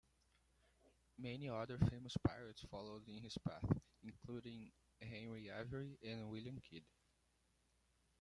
Many other famous pirates followed in his path, including Henry Avery and William Kidd.